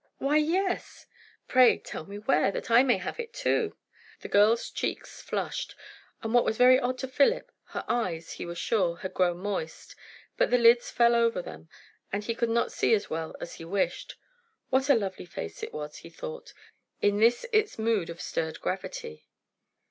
"Why, yes!" "Pray tell me where, that I may have it too!" The girl's cheeks flushed; and what was very odd to Philip, her eyes, he was sure, had grown moist; but the lids fell over them, and he could not see as well as he wished. What a lovely face it was, he thought, in this its mood of stirred gravity!